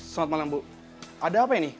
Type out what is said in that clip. selamat malam bu ada apa ini